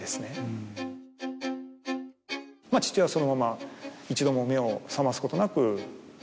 父親はそのまま一度も目を覚ますことなくそれから。